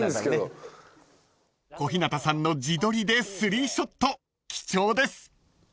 ［小日向さんの自撮りで３ショット貴重です］